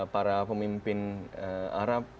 para pemimpin arab